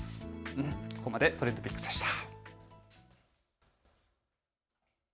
ここまでＴｒｅｎｄＰｉｃｋｓでした。